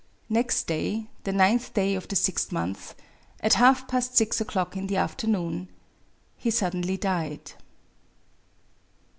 Next day — the ninth day of the sixth month — at half past six o'clock in the afternoon, he suddenly died.